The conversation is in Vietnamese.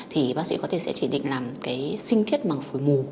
thì bác sĩ có thể sẽ chỉ định làm sinh thiết măng phổi